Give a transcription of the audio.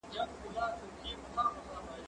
هغه څوک چي زدکړه کوي پوهه زياتوي!؟